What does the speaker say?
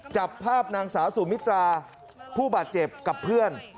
จับภาพนางสาวสุมิตราผู้บาดเจ็บกับเพื่อน